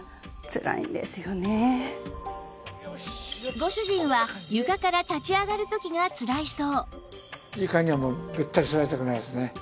ご主人は床から立ち上がる時がつらいそう